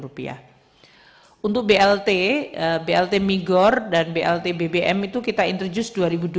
untuk blt blt migor dan blt bbm itu kita introduce dua ribu dua puluh